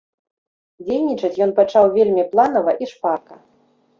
Дзейнічаць ён пачаў вельмі планава і шпарка.